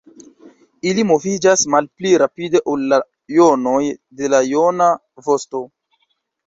Ili moviĝas malpli rapide ol la jonoj de la jona vosto.